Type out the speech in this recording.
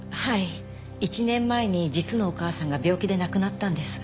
１年前に実のお母さんが病気で亡くなったんです。